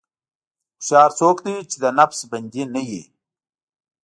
هوښیار څوک دی چې د نفس بندي نه وي.